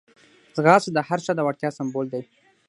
ځغاسته د هر چا د وړتیا سمبول دی